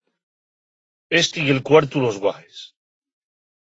Esti ye'l cuartu los guaḥes.